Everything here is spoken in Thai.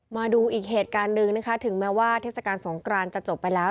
มาดูอีกเหตุการณ์หนึ่งนะคะถึงแม้ว่าเทศกาลสงกรานจะจบไปแล้ว